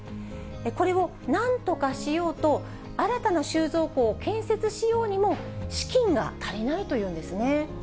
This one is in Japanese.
これをなんとかしようと、新たな収蔵庫を建設しようにも、資金が足りないというんですね。